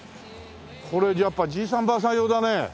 これやっぱじいさんばあさん用だね。